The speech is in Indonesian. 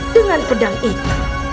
dengan pedang itu